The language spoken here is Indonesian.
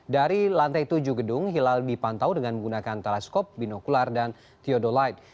dari lantai tujuh gedung hilal dipantau dengan menggunakan teleskop binokular dan theodolite